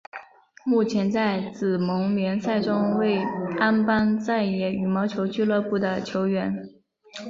目前在紫盟联赛中为安邦再也羽毛球俱乐部的球员。